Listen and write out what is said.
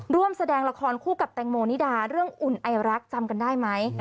ร่วมแสดงละครคู่กับแตงโมนิดาเรื่องอุ่นไอรักจำกันได้ไหม